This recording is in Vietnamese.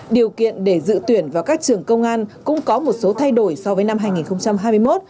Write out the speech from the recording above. điều kiện để dự tuyển vào các trường công an cũng có một số thay đổi so với năm hai nghìn hai mươi một